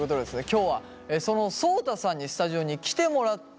今日はそのそうたさんにスタジオに来てもらっています。